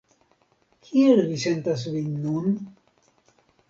Kiel vi sentas vin nun?